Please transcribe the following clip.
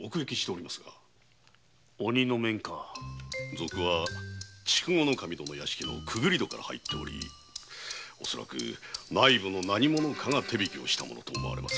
賊は筑後守殿の屋敷の潜り戸から入っており恐らく内部の何者かが手引きをしたものと思われます。